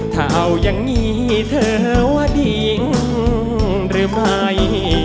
ถ้าเอายังงี้เธอว่าดีหรือไม่